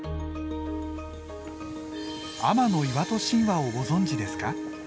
天岩戸神話をご存じですか？